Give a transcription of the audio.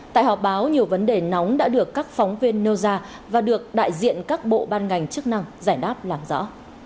tại họp báo nhiều vấn đề nóng đã được các phóng viên nêu ra và được đại diện các bộ ban ngành chức năng giải đáp làm rõ